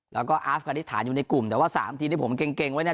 แล้วก็อาฟกานิษฐานอยู่ในกลุ่มแต่ว่า๓ทีมที่ผมเกรงไว้เนี่ย